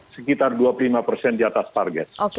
sekitar dua puluh lima persen di atas target